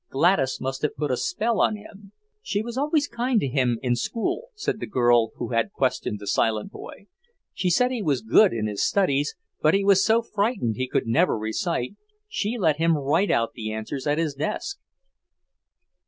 Gladys must have put a spell on him." "She was always kind to him in school," said the girl who had questioned the silent boy. "She said he was good in his studies, but he was so frightened he could never recite. She let him write out the answers at his desk."